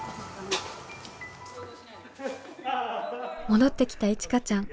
戻ってきたいちかちゃん。